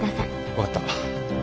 分かった。